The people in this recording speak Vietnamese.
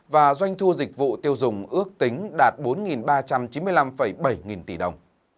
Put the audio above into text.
và doanh thu dịch vụ tiêu dùng ước tính đạt bốn ba trăm chín mươi năm bảy nghìn tỷ đồng